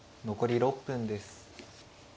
残り６分です。